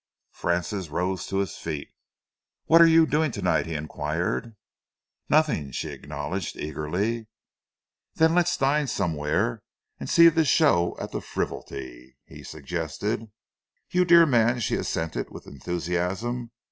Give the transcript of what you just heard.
Francis rose to his feet. "What are you doing to night?" he enquired. "Nothing," she acknowledged eagerly. "Then let's dine somewhere and see the show at the Frivolity," he suggested. "You dear man!" she assented with enthusiasm.